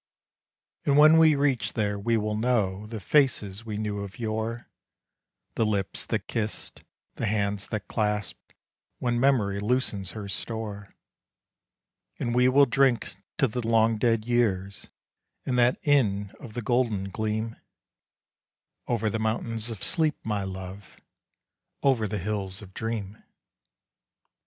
And when we reach there we will know The faces we knew of yore, The lips that kissed, the hands that clasped, When memory loosens her store, And we will drink to the long dead years, In that inn of the golden gleam, Over the mountains of sleep, my Love, Over the hills of dream.